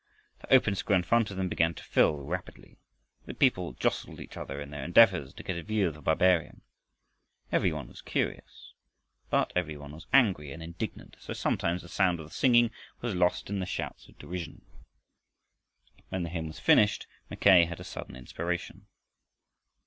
The open square in front of them began to fill rapidly. The people jostled each other in their endeavors to get a view of the barbarian. Every one was curious, but every one was angry and indignant, so sometimes the sound of the singing was lost in the shouts of derision. When the hymn was finished, Mackay had a sudden inspiration.